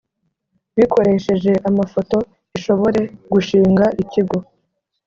bikoresheje amafoto ishobore gushinga ikigo